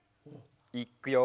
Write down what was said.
いっくよ！